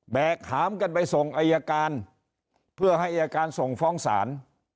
กขามกันไปส่งอายการเพื่อให้อายการส่งฟ้องศาล